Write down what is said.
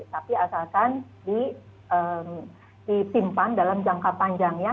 tapi asalkan disimpan dalam jangka panjang ya